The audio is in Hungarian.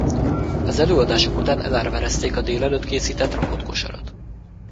Az előadások után elárverezték a délelőtt készített rakott kosarat.